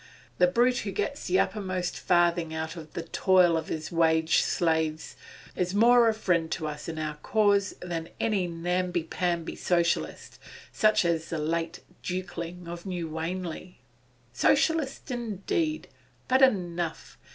The brute who gets the uttermost farthing out of the toil of his wage slaves is more a friend to us and our cause than any namby pamby Socialist, such as the late Dukeling of New Wanley. Socialist indeed! But enough.